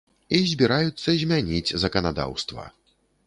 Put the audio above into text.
І збіраюцца змяніць заканадаўства.